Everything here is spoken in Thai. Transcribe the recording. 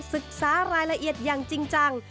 ศึกษารายละเอียดอย่างจริงจัง